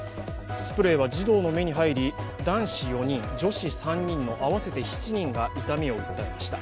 スプレーは児童の目に入り、男子４人、女子３人の合わせて７人が痛みを訴えました。